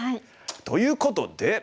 ということで。